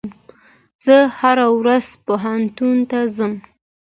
زه هره ورځ پوهنتون ته ځم.